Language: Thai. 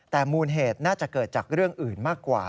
แต่มูลเหตุน่าจะเกิดจากเรื่องอื่นมากกว่า